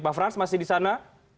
bang frans masih di sana